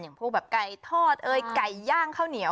อย่างพวกแบบไก่ทอดเอ้ยไก่ย่างข้าวเหนียว